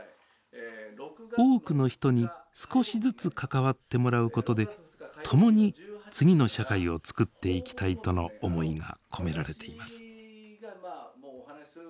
多くの人に少しずつ関わってもらうことで共に次の社会をつくっていきたいとの思いが込められています。